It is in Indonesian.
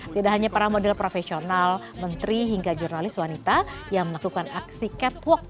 tidak hanya para model profesional menteri hingga jurnalis wanita yang melakukan aksi catwalk